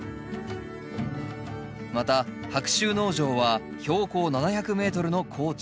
また白州農場は標高７００ｍの高地。